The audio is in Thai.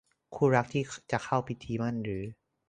คู่รักที่จะเข้าพิธีหมั้นหรือ